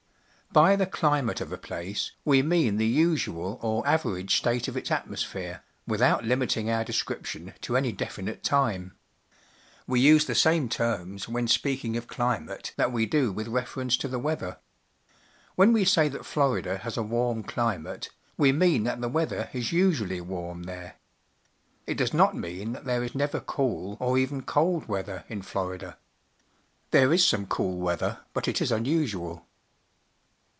By the climate of a place we mean the usual or average state of its atmosphere, without limiting our description to any definite time. We use the same terms when speaking of climate that we do with reference to the weather. ^Alien we say that Florida has a warm climate, we mean that the weather is usually warm there. It does not CLIMATE AND LIFE 51 mean that there is never cool or even cold weather in Florida. There is some cool weather, but it is unusual.